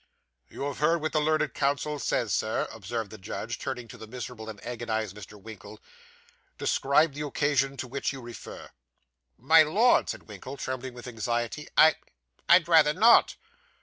'You hear what the learned counsel says, Sir,' observed the judge, turning to the miserable and agonised Mr. Winkle. 'Describe the occasion to which you refer.' 'My Lord,' said Mr. Winkle, trembling with anxiety, 'I I'd rather not.